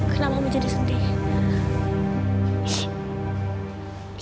kenapa aku jadi sendiri